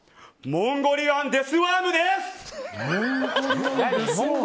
モンゴリアンデスワーム？